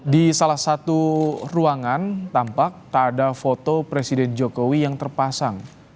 di salah satu ruangan tampak tak ada foto presiden jokowi yang terpasang